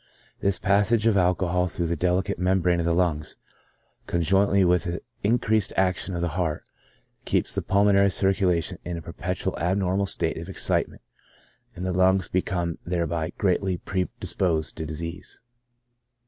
This passage of alcohol through the delicate membrane of the lungs, conjointly with the increased action of the heart, keeps the pulmonary circulation in a perpetual abnormal state of excitement, and the lungs become there by greatly predisposed to disease.